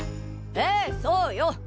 ええそうよ！